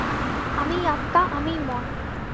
আমিই আত্মা, আমিই মন।